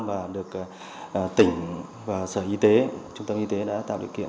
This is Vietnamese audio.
và được tỉnh và sở y tế trung tâm y tế đã tạo điều kiện